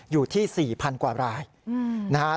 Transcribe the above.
อยู่ที่๔๐๐๐กว่ารายนะฮะ